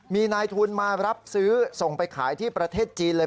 มีนายทุนมารับซื้อส่งไปขายที่ประเทศจีนเลย